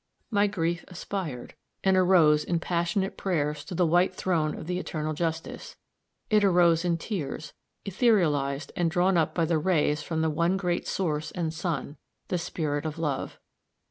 My grief aspired, and arose in passionate prayers to the white throne of the eternal justice it arose in tears, etherealized and drawn up by the rays from the one great source and sun the spirit of Love.